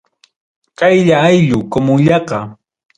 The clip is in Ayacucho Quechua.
Qaylla ayllu, comunllaqa.